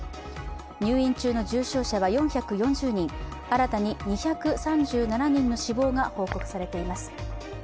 入院中の重症者は４４０人、新たに２３７人の死亡が報告されています。